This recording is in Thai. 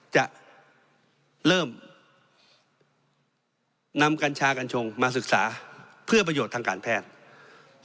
จะเริ่มนำกัญชากัญชงมาศึกษาเพื่อประโยชน์ทางการแพทย์